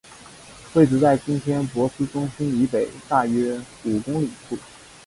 位置在今天的珀斯中心以北大约五公里处。